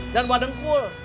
jangan bawa dengkul